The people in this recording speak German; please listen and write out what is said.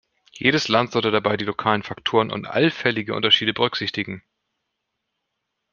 Jedes Land sollte dabei die lokalen Faktoren und allfällige Unterschiede berücksichtigen.